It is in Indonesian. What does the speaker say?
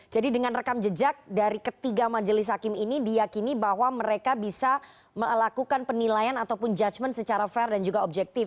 jadi dengan rekam jejak dari ketiga majelis hakim ini diakini bahwa mereka bisa melakukan penilaian ataupun judgement secara fair dan juga objektif